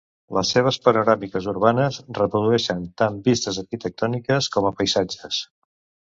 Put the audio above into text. Les seves panoràmiques urbanes reprodueixen tan vistes arquitectòniques com a paisatges.